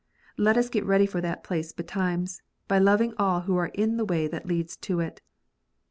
Let us get ready for that place betimes, by loving all who are in the way that leads to it.